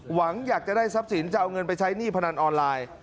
หวังอยากจะได้ทรัพย์สินจะเอาเงินไปใช้หนี้พนันออนไลน์